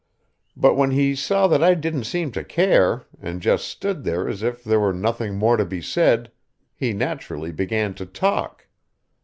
But when he saw that I didn't seem to care, and just stood there as if there were nothing more to be said, he naturally began to talk.